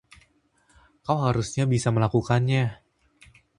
Kau harusnya bisa melakukannya.